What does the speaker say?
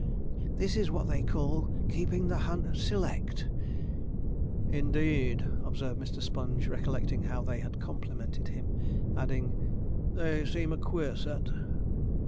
This is what they call keeping the hunt select.' 'Indeed,' observed Mr. Sponge, recollecting how they had complimented him, adding, 'they seem a queer set.'